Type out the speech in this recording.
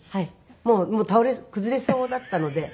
もう崩れそうだったので。